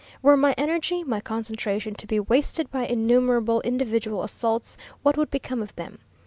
Were my energy, my concentration, to be wasted by innumerable individual assaults, what would become of them?